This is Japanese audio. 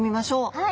はい。